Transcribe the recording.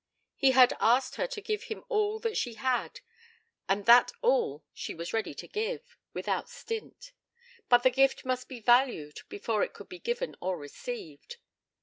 He had asked her to give him all that she had, and that all she was ready to give, without stint. But the gift must be valued before it could be given or received.